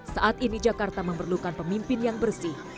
saat ini jakarta memerlukan pemimpin yang bersih